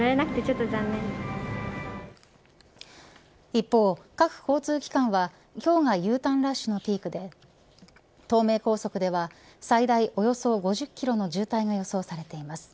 一方、各交通機関は今日がＵターンラッシュのピークで東名高速では最大およそ５０キロの渋滞が予想されています。